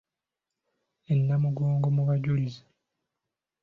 E Namugongo mu bajulizi.